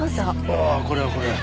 ああこれはこれは。